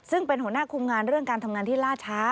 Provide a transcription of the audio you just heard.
ซึ่งเป็นหัวหน้าคุมงานเรื่องการทำงานที่ล่าช้า